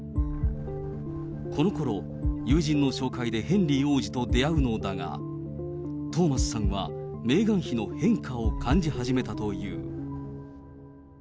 このころ、友人の紹介でヘンリー王子と出会うのだが、トーマスさんは、メーガン妃の変化を感じ始めたという。